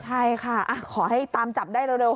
ใช่ค่ะขอให้ตามจับได้เร็ว